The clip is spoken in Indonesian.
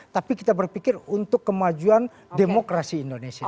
tapi kita berpikir untuk kemajuan demokrasi indonesia